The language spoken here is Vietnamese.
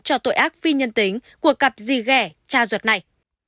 cho tội ác phi nhân tính của cặp gì ghẻ cha ruột này